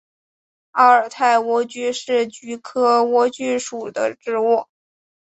阿尔泰莴苣是菊科莴苣属的植物。